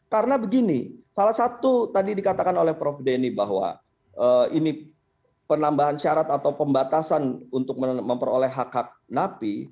karena begini salah satu tadi dikatakan oleh prof denny bahwa ini penambahan syarat atau pembatasan untuk memperoleh hak hak napi